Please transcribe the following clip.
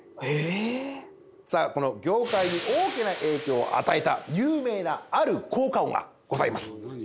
さあ、この業界に大きな影響を与えた、有名なある効果音がございます。